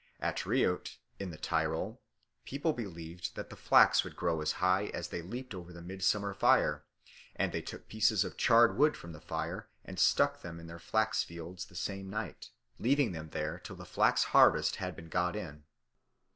At Reutte, in the Tyrol, people believed that the flax would grow as high as they leaped over the midsummer bonfire, and they took pieces of charred wood from the fire and stuck them in their flax fields the same night, leaving them there till the flax harvest had been got in.